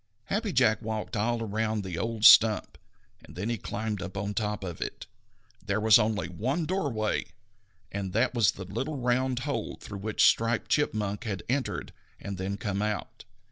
Happy Jack walked all around the old stump, and then he climbed up on top of it. There was only one doorway, and that was the little round hole through which Striped Chipmunk had entered and then come out.